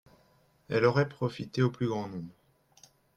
Elle aurait profité au plus grand nombre